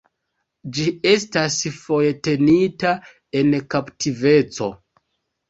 Ĝi estas foje tenita en kaptiveco.